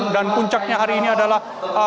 dan puncaknya hari ini adalah